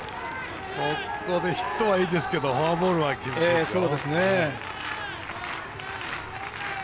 ここでヒットはいいですけどフォアボールは厳しいですよ。